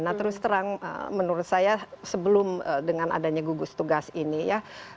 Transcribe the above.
nah terus terang menurut saya sebelum dengan adanya gugus tugas ini ya